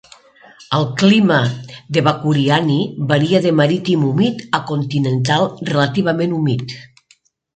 El clima de Bakuriani varia de marítim humit a continental relativament humit.